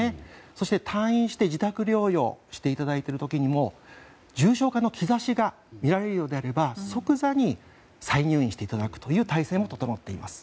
そして退院して自宅療養していただいている時にも重症化の兆しが見られるようであれば即座に再入院していただくという体制も整っています。